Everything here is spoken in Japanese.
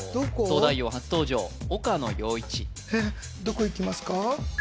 「東大王」初登場岡野陽一えっどこいきますか？